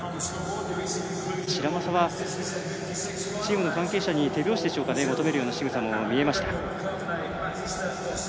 白砂はチームの関係者に手拍子でしょうか求めるようなしぐさも見えました。